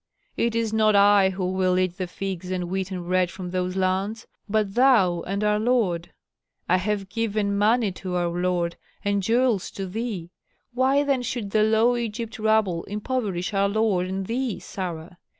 It is not I who will eat the figs and wheaten bread from those lands, but thou and our lord. I have given money to our lord and jewels to thee. Why then should the low Egyptian rabble impoverish our lord and thee, Sarah?